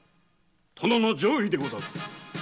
殿の上意でござる。